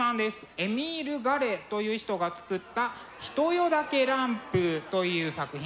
エミール・ガレという人が作った「ひとよ茸ランプ」という作品があります。